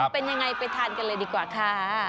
เป็นยังไงไปทานกันเลยดีกว่าค่ะ